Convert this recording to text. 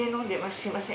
すいません